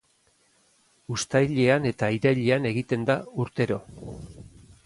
Uztailean eta irailean egiten da urtero.